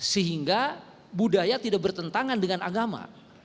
sehingga budaya tidak bertentangan dengan agama